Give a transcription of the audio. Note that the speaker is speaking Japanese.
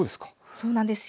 そうなんですよ。